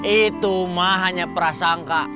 itu mah hanya prasangka